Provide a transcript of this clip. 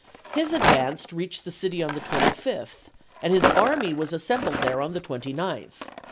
His advance reached the city on the 25th and his army was assembled there on the 29th.